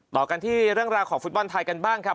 ต่อกันที่เรื่องราวของฟุตบอลไทยกันบ้างครับ